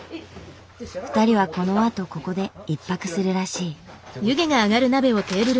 ２人はこのあとここで１泊するらしい。